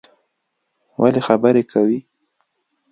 ولی خبری کوی